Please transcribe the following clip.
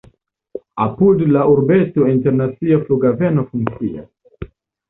Apud la urbeto internacia flughaveno funkcias.